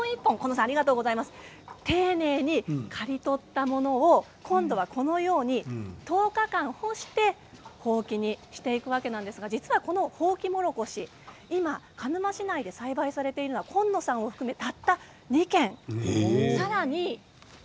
丁寧に刈り取ったもの今度は１０日間干してほうきにしていくわけですが実はこのホウキモロコシ今鹿沼市内で栽培されているのは紺野さんを含めたたった２軒。